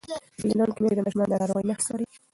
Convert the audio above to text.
تعلیم لرونکې میندې د ماشومانو د ناروغۍ نښې څاري.